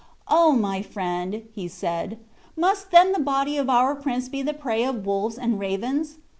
"O my friend," said he, "must then the body of our prince be the prey of wolves and ravens?